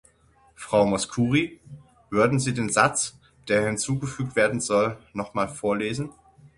Frau Mouskouri, würden Sie den Satz, der hinzugefügt werden soll, nochmal vorlesen?